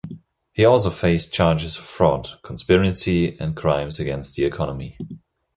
He also faced charges of fraud, conspiracy and crimes against the economy.